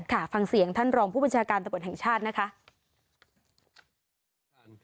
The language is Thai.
ฟังเสียงท่านรองผู้บัญชาการตำรวจแห่งชาตินะคะ